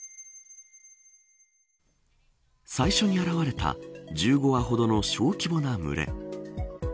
最初に現れた１５羽程の小規模な群れ。